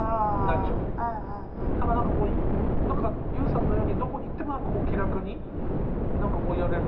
だからＹＯＵさんのようにどこに行っても気楽にやれる。